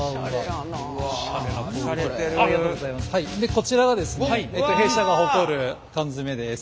こちらがですね弊社が誇る缶詰です。